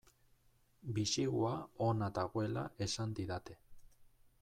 Bisigua ona dagoela esan didate.